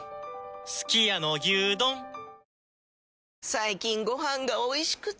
最近ご飯がおいしくて！